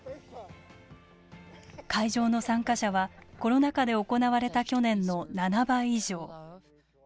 会場の参加者はコロナ禍で行われた去年の７倍以上。